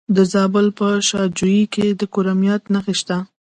د زابل په شاجوی کې د کرومایټ نښې شته.